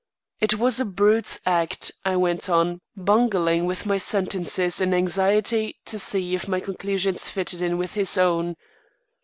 "It was a brute's act," I went on, bungling with my sentences in anxiety to see if my conclusions fitted in with his own.